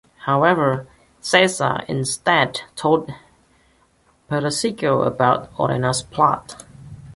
However, Sessa instead told Persico about Orena's plot.